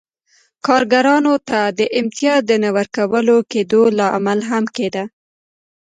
کارګرانو ته د امتیاز د نه ورکول کېدو لامل هم کېده.